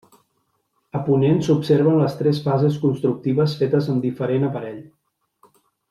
A ponent s'observen les tres fases constructives fetes amb diferent aparell.